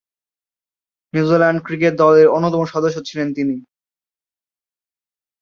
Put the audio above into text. New Zealand cricket দলের অন্যতম সদস্য ছিলেন তিনি।